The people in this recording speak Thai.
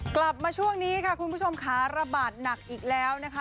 กลับมาช่วงนี้ค่ะคุณผู้ชมค่ะระบาดหนักอีกแล้วนะคะ